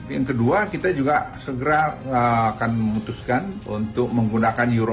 yang kedua kita juga segera akan memutuskan untuk menggunakan euro